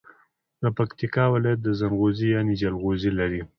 د پکیتکا ولایت زنغوزي یعنی جلغوزي لري.